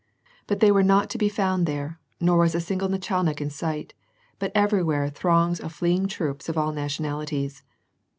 But they were not to be found there, nor was a single nachal nik in sight, but everywhere throngs of fleeing troops of all nationalities.